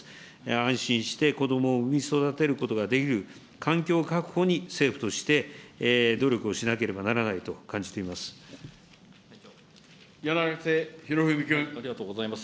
安心して子どもを産み育てることができる環境確保に政府として、努力をしなければならないと感じています。